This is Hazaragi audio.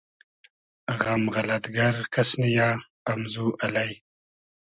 غئم غئلئد گئر کئس نییۂ امزو الݷ